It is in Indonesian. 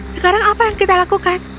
sekarang apa yang kita lakukan